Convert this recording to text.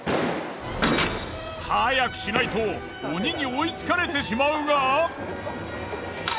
早くしないと鬼に追いつかれてしまうが。